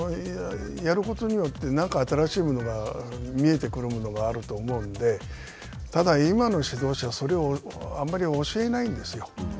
やることによって、なんか新しいものが見えてくるものがあると思うんで、ただ、今の指導者はそれをあんまり教えないんですよ。